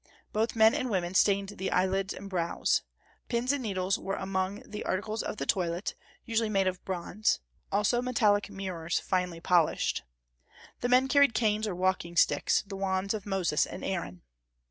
Both men and women stained the eyelids and brows. Pins and needles were among the articles of the toilet, usually made of bronze; also metallic mirrors finely polished. The men carried canes or walking sticks, the wands of Moses and Aaron.